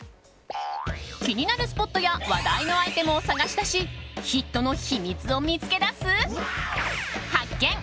気になるスポットや話題のアイテムを探し出しヒットの秘密を見つけ出す発見！